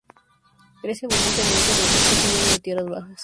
Crece abundantemente en los bosques húmedos de tierras bajas.